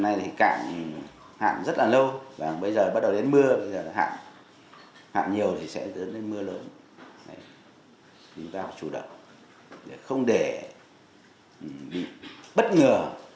nhưng ta phải chủ động để không để bị bất ngờ